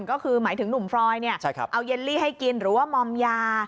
ก็คือหมายถึงหนุ่มฟรอยเอาเยลลี่ให้กินหรือว่ามอมยา